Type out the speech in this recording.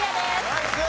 ナイス！